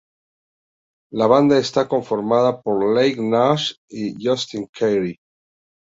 La banda está conformada por Leigh Nash, y Justin Cary.